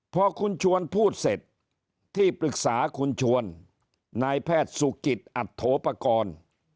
พอคุณชวนพูดเสร็จที่ปรึกษาคุณชวนนายแพทย์สุกิตอัตโธปกรณ์